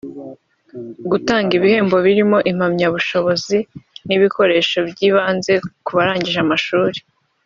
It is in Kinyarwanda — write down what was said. gutanga ibihembo birimo impamyabushobozi n’ibikoresho by’ibanze ku barangije amashuri